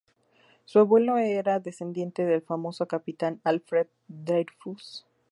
Su abuelo era descendiente del famoso capitán Alfred Dreyfus.